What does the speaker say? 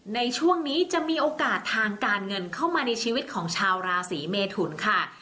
ในช่วงนี้จะมีโอกาสทางการเงินเข้ามาในชีวิตของชาวราศีเมทุนค่ะ